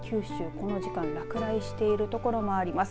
この時間落雷しているところもあります。